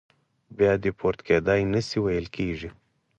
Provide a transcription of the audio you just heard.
بیا دیپورت کېدای نه شي ویل کېږي.